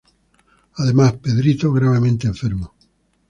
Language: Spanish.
Además, Pedrito gravemente enfermo.